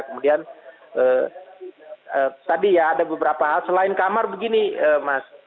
kemudian eee eee tadi ya ada beberapa hal selain kamar begini eee mas